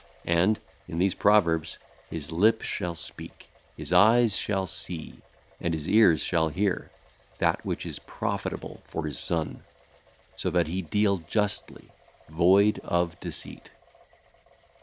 And [in these proverbs] his lips shall speak, his eyes shall see, and his ears shall hear, that which is profitable for his son, so that he deal justly, void of deceit.